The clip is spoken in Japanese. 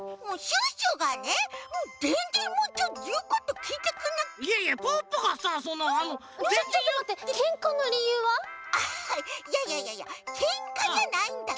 アッハいやいやいやいやけんかじゃないんだけど。